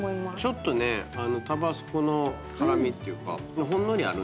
ちょっとタバスコの辛味っていうかほんのりあるんですよ。